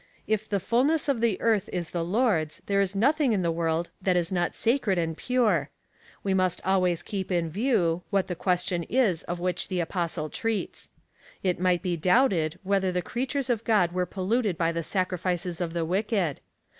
If the fulness of the earth^ is the Lord's, there is nothing in the world that is not sacred and pure. We must always keep in view, what the question is of which the Apostle treats. It might be doubted, whether the creatures of God were polluted by tlie sacrifices of the wicked.